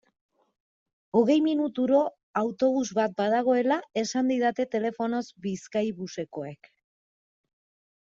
Hogei minutuero autobus bat badagoela esan didaten telefonoz Bizkaibusekoek.